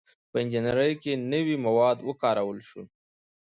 • په انجینرۍ کې نوي مواد وکارول شول.